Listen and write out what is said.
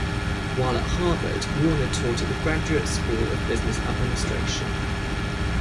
While at Harvard, Warner taught at the Graduate School of Business Administration.